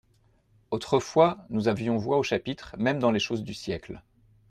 Autrefois nous avions voix au chapitre même dans les choses du siècle.